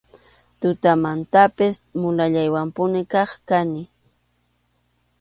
Tutamantanpas mulallaywanpuni kaq kani.